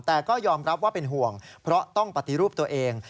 แต่ก็ยอมรับว่าเป็นห่วงเพราะต้องปฏิรูปตัวเอง